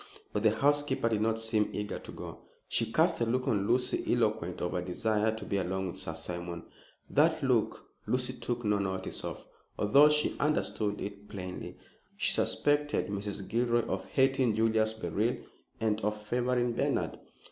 But the housekeeper did not seem eager to go. She cast a look on Lucy eloquent of a desire to be alone with Sir Simon. That look Lucy took no notice of, although she understood it plainly. She suspected Mrs. Gilroy of hating Julius Beryl and of favoring Bernard.